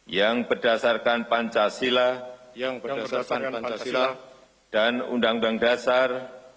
yang berdasarkan pancasila dan undang undang dasar